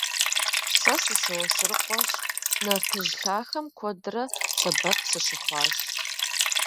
Сэ сы-Сосрыкъуэщ; нартыжь лъахэм куэдрэ сэбэп сыщыхъуащ.